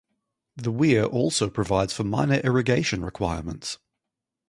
The weir also provides for minor irrigation requirements.